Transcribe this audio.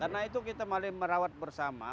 karena itu kita merawat bersama